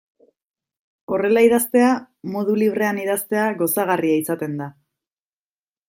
Horrela idaztea, modu librean idaztea, gozagarria izaten da.